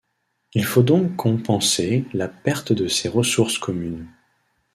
Il faut donc compenser la perte de ces ressources communes.